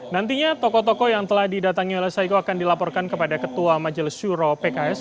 nantinya tokoh tokoh yang telah didatangi oleh saiku akan dilaporkan kepada ketua majelis syuro pks